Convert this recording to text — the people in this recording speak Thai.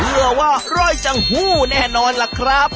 เชื่อว่าร่อยจังหู้แน่นอนล่ะครับ